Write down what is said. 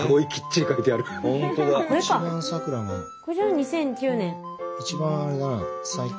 ２００９年。